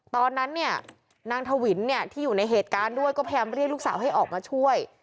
ตอนนั้นเนี่ยนางถวินเนี่ยที่อยู่ในเหตุการณ์ด้วยก็พยายามเรียกลูกสาวให้ออกมาช่วย